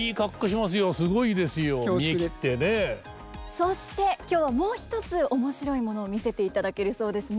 そして今日はもう一つ面白いものを見せていただけるそうですね。